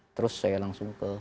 terus saya langsung ke